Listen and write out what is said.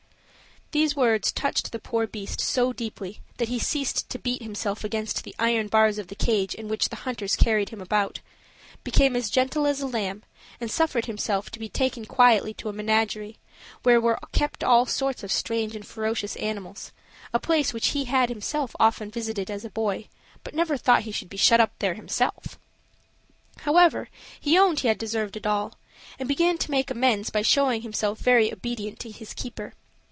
These words touched the poor beast so deeply that he ceased to beat himself against the iron bars of the cage in which the hunters carried him about, became gentle as a lamb, and suffered himself to be taken quietly to a menagerie, where were kept all sorts of strange and ferocious animals a place which he had himself often visited as a boy, but never thought he should be shut up there himself. However, he owned he had deserved it all, and began to make amends by showing himself very obedient to his keeper.